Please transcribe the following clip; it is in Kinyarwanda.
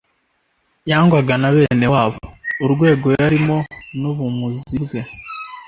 yangwaga na bene wabo; urwego yarimo n'ubuumzi bwe,